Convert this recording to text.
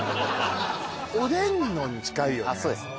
おでんのに近いよね